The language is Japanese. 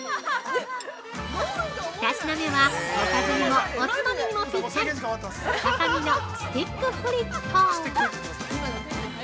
◆２品目は、おかずにもおつまみにもピッタリささみのスティックフリット。